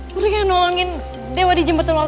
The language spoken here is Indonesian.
bolehnya nolongin dewa di jembatan waktu itu